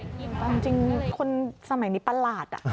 เอาจริงคนสมัยนี้ประหลาด